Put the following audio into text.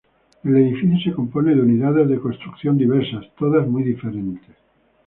El edificio se compone de unidades de construcción diversas, todas muy diferentes.